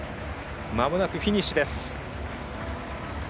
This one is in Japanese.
まもなくフィニッシュです。